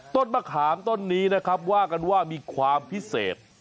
ต้นมะขามต้นนี้นะครับว่ากันว่ามีความพิเศษ